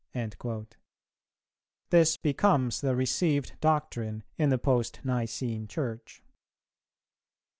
"[417:1] This becomes the received doctrine in the Post nicene Church.